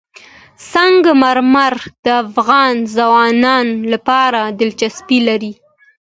سنگ مرمر د افغان ځوانانو لپاره دلچسپي لري.